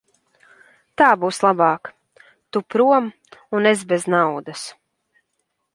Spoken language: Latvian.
Tā būs labāk; tu prom un es bez naudas.